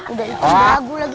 udah itu lagu lagi